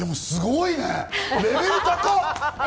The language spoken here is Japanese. すごいね！